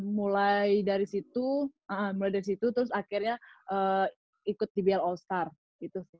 mulai dari situ terus akhirnya ikut dbl all star gitu